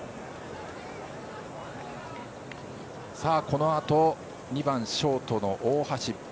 このあとは２番ショートの大橋。